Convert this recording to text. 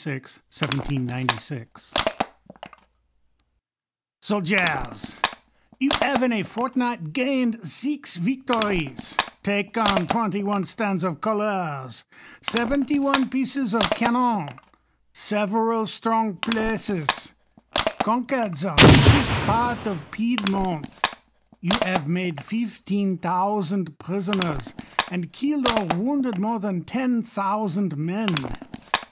4 Soldiers, YOU have in a fortnight gained six victories; taken twcntv onc stands of colours ; seventy one ])ieccs of cannon"'; several strong places ; conquered the richest part of Piedmont ; you have made fifteen ^ thousand prisoners, and killed or wounded more than ^i ten thousand men.